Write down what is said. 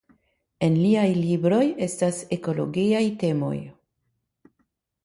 En liaj libroj estas ekologiaj temoj.